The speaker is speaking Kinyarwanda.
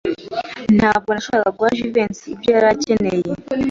Ntabwo nashoboraga guha Jivency ibyo yari akeneye.